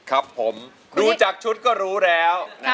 ครับผมดูจากชุดก็รู้แล้ว